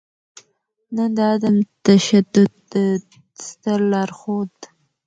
نــن د عـدم تـشدود د ســتــر لارښــود